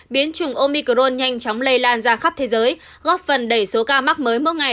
biến chủng omicron nhanh chóng lây lan ra khắp thế giới góp phần đẩy số ca mắc mới mỗi ngày